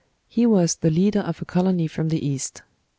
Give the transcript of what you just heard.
He was the leader of a colony from the East."